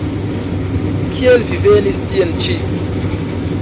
Kiel vi venis tien-ĉi?